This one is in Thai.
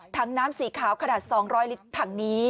ถังน้ำสีขาวขนาด๒๐๐ลิตรถังนี้